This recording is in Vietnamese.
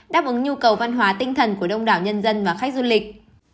đáp ứng nhu cầu văn hóa tinh thần của đông đảo nhân dân và khách du lịch